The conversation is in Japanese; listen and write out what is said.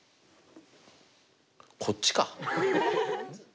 こっちか。